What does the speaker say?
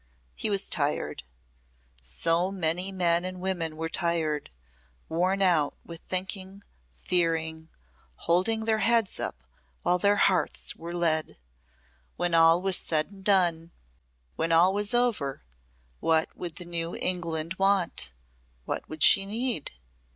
He was tired. So many men and women were tired worn out with thinking, fearing, holding their heads up while their hearts were lead. When all was said and done, when all was over, what would the new England want what would she need?